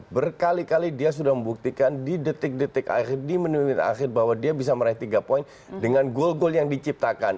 berkali kali dia sudah membuktikan di detik detik akhir di menit menit akhir bahwa dia bisa meraih tiga poin dengan gol gol yang diciptakan